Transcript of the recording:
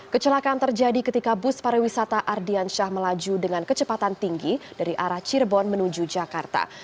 kecelakaan terjadi ketika bus pariwisata ardiansyah melaju dengan kecepatan tinggi dari arah cirebon menuju jakarta